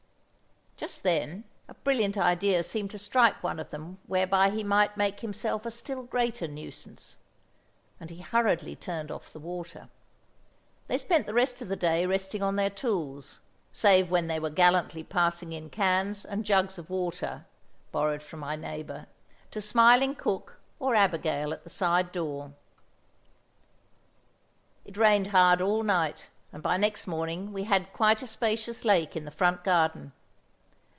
Just then a brilliant idea seemed to strike one of them whereby he might make himself a still greater nuisance, and he hurriedly turned off the water. They spent the remainder of the day resting on their tools—save when they were gallantly passing in cans and jugs of water (borrowed from my neighbour) to smiling Cook or Abigail at the side door. It rained hard all night, and by next morning we had quite a spacious lake in the front garden.